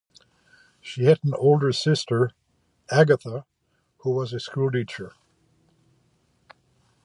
She had an elder sister, Agatha, who was a school-teacher.